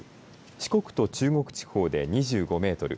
四国と中国地方で２５メートル